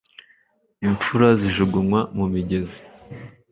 impfura zijugunywa mu migezi